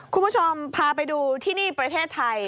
คุณผู้ชมพาไปดูที่นี่ประเทศไทย